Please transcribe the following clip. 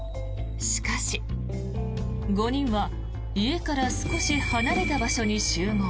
しかし、５人は家から少し離れた場所に集合。